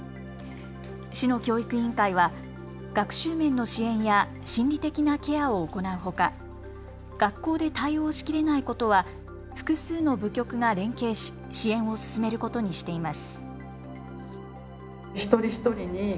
市の教育委員会は学習面の支援や心理的なケアを行うほか学校で対応しきれないことは複数の部局が連携し支援を進めることにしています。